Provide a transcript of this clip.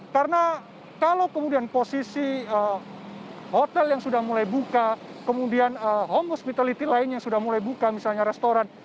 karena kalau kemudian posisi hotel yang sudah mulai buka kemudian home hospitality lainnya yang sudah mulai buka misalnya restoran